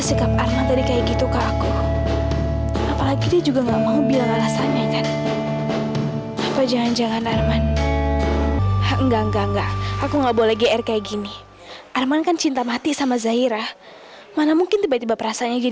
sampai jumpa di video selanjutnya